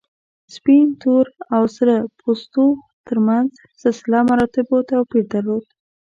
سپین، تور او سره پوستو تر منځ سلسله مراتبو توپیر درلود.